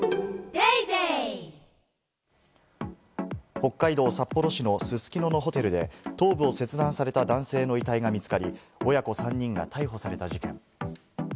北海道札幌市のすすきののホテルで、頭部を切断された男性の遺体が見つかり、親子３人が逮捕された事件。